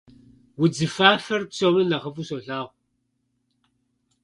Удзыфафэр псом нэ нэхъыфӏу солъагъу.